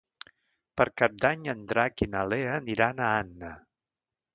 Per Cap d'Any en Drac i na Lea aniran a Anna.